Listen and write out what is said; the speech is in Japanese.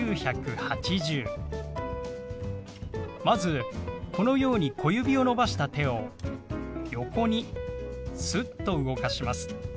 まずこのように小指を伸ばした手を横にすっと動かします。